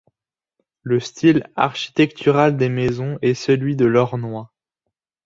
Le style architectural des maisons est celui de l'Ornois.